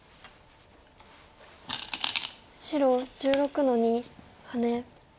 白１６の二ハネ。